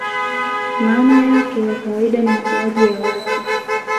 maana yake ya kawaida ni mauaji ya watu